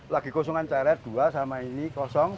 lagi kosongan ceret dua sama ini kosong